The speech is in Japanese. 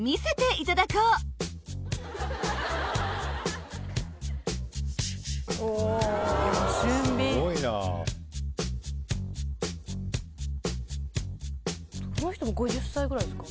いやすごいなこの人も５０歳ぐらいですか？